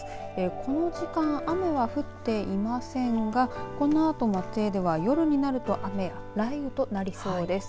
この時間、雨は降っていませんがこのあと、松江では夜になると雨や雷雨となりそうです。